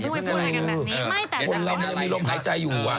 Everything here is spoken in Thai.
ไม่แต่ว่ามีลมหายใจอยู่